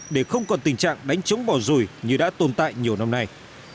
để không còn tình trạng đánh chống bỏ rùi như đã tồn tại nhiều năm nay